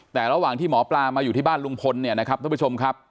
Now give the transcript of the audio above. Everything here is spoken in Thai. แต่ระหว่างที่หมอปลามาอยู่ที่บ้านลุงพลเนี่ยนะครับท่านผู้ชมครับ